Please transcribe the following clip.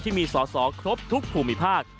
ที่มีสอสอครบทุกภูมิภาค